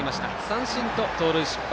三振と盗塁失敗。